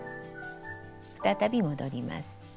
再び戻ります。